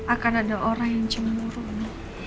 akan ada orang yang cenderung